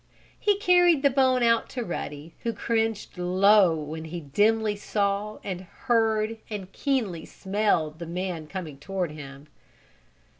He carried the bone out to Ruddy, who cringed low when he dimly saw, and heard, and keenly smelled the man coming toward him.